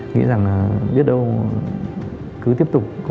nghĩ rằng là biết đâu cứ tiếp tục